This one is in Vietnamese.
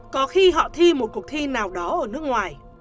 có khi họ thi một cuộc thi nào đó ở nước ngoài